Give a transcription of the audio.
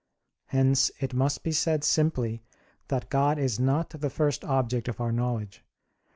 Hence it must be said simply that God is not the first object of our knowledge.